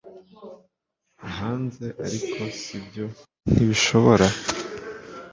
hanze ariko sibyo, ntibishobora